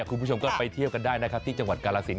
คุณผู้ชมก็ไปเที่ยวกันได้นะครับที่จังหวัดกาลสิน